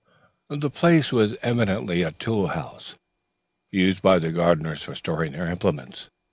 The place was evidently a tool house, used by the gardeners for storing their implements.